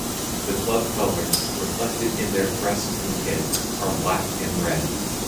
The club colours, reflected in their crest and kit, are black and red.